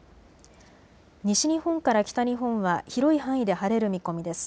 西日本から北日本は広い範囲で晴れる見込みです。